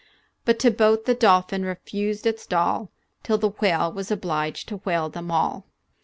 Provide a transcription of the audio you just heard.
But to both the dolphin refused its doll, Till the whale was oblidged to whale them all.